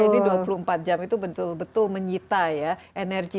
ini dua puluh empat jam itu betul betul menyita ya energi